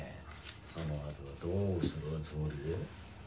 そのあとはどうするおつもりで？